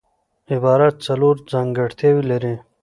عبارت څلور ځانګړتیاوي لري.